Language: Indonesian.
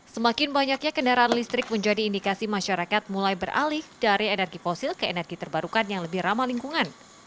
semakin banyaknya kendaraan listrik menjadi indikasi masyarakat mulai beralih dari energi fosil ke energi terbarukan yang lebih ramah lingkungan